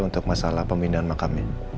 untuk masalah pemindahan makamnya